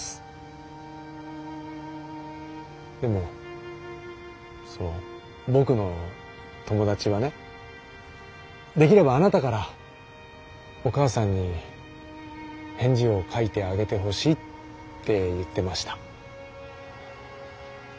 でもそう僕の友達はねできればあなたからお母さんに返事を書いてあげてほしいって言ってました。